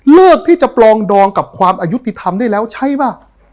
เลือกที่จะปลองดองกับความอายุติธรรมได้แล้วใช่ป่ะ